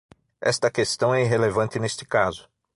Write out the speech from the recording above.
Esta questão é irrelevante neste caso.